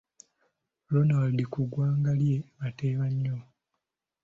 Ronald ku ggwanga lye ateeba nnyo.